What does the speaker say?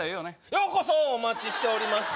ようこそお待ちしておりました